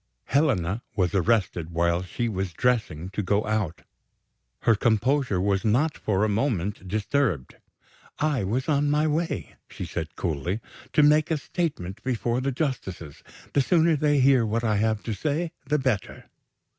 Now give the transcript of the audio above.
Helena was arrested while she was dressing to go out. Her composure was not for a moment disturbed. "I was on my way," she said coolly, "to make a statement before the justices. The sooner they hear what I have to say the better."